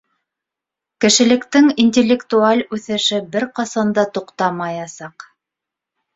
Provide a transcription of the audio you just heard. Кешелектең интеллектуаль үҫеше бер ҡасан да туҡтамаясаҡ.